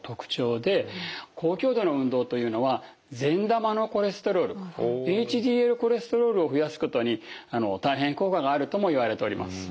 高強度の運動というのは善玉のコレステロールＨＤＬコレステロールを増やすことに大変効果があるともいわれております。